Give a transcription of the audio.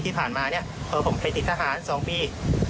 ที่ผ่านมาเนี่ยผมเคยติดทหาร๒ปี